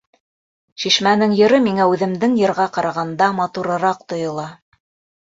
Шишмәнең йыры миңә үҙемдең йырға ҡарағанда матурыраҡ тойола.